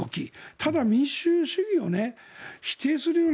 ただ、民主主義を否定するような